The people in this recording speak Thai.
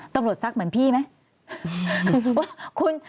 ตำรวจซักเหมือนพี่ไหม